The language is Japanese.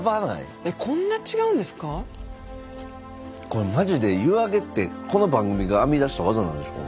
これマジで湯揚げってこの番組が編み出したワザなんでしょ？